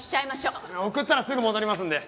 送ったらすぐ戻りますんで。